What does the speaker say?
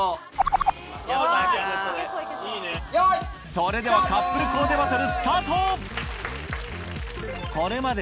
それではカップルコーデバトル